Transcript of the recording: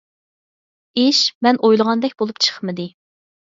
ئىش مەن ئويلىغاندەك بولۇپ چىقمىدى.